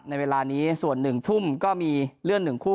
ในเวลานี้ส่วน๑ทุ่มก็มีเลื่อน๑คู่